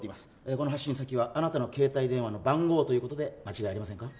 この発信先はあなたの携帯電話の番号ということで間違いありませんか？